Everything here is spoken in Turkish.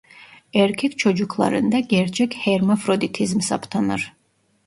Erkek çocuklarında gerçek hermafroditizm saptanır.